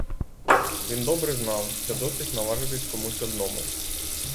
Він добре знав, що досить наважитись комусь одному.